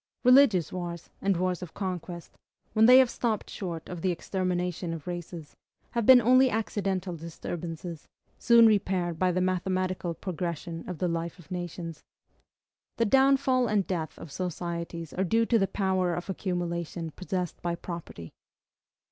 Religious wars, and wars of conquest, when they have stopped short of the extermination of races, have been only accidental disturbances, soon repaired by the mathematical progression of the life of nations. The downfall and death of societies are due to the power of accumulation possessed by property.